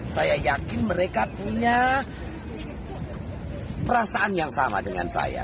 saya yakin mereka punya perasaan yang sama dengan saya